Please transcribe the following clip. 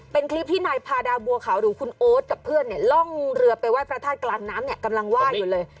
เป็นคลิปที่นายพาดาบัวขาวหรือคุณโอ๊ตกับเพื่อนเนี่ยล่องเรือไปไหว้พระธาตุกลางน้ำเนี่ยกำลังไหว้อยู่เลย